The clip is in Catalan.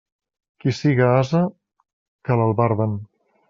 Qui siga ase, que l'albarden.